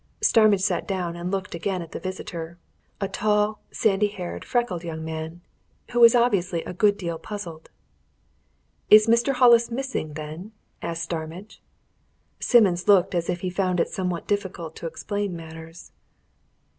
Starmidge sat down and looked again at the visitor a tall, sandy haired, freckled young man, who was obviously a good deal puzzled. "Is Mr. Hollis missing, then?" asked Starmidge. Simmons looked as if he found it somewhat difficult to explain matters.